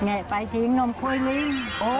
ไงก็ไปทิ้งขนมควยลิง